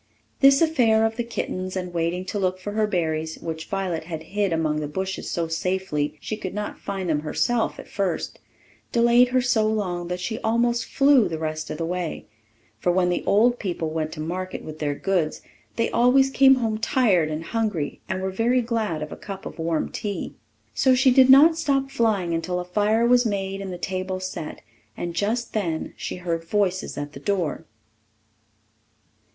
This affair of the kitten's, and waiting to look for her berries, which Violet had hid among the bushes so safely she could not find them herself at first, delayed her so long that she almost flew the rest of the way; for when the old people went to market with their goods, they always came home tired and hungry, and were very glad of a cup of warm tea. So she did not stop flying until a fire was made and the table set; and just then she heard voices at the door.